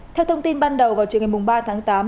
theo thông tin ban đầu vào trường ngày ba tháng tám